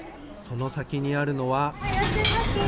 その先にあるのは。